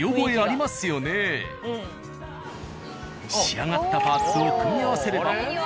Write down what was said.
仕上がったパーツを組み合わせれば。